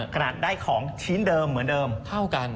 ขนาดได้ของชิ้นเดิมเหมือนเดิมเท่ากัน